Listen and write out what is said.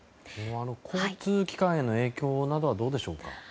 交通機関への影響などはどうでしょうか。